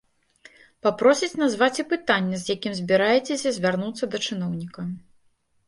Папросяць назваць і пытанне, з якім збіраецеся звярнуцца да чыноўніка.